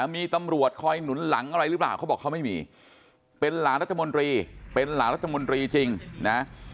มีตำรวจคอยหนุนหลังอะไรหรือเปล่าเขาบอกเขาไม่มีเป็นหลานรัฐมนตรีเป็นหลานรัฐมนตรีจริงนะ